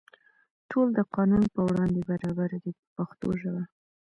ټول د قانون په وړاندې برابر دي په پښتو ژبه.